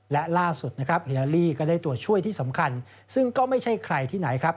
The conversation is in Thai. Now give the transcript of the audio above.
และล่าสุดนะครับฮิลาลีก็ได้ตัวช่วยที่สำคัญซึ่งก็ไม่ใช่ใครที่ไหนครับ